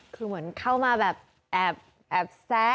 คือเหมือนเข้ามาแบบแอบแซะ